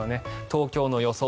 東京の予想